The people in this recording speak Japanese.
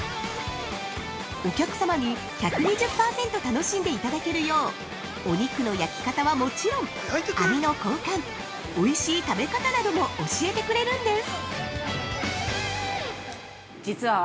お客さまに１２０％楽しんでいただけるようお肉の焼き方はもちろん網の交換、おいしい食べ方なども教えてくれるんです。